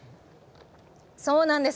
そうなんです。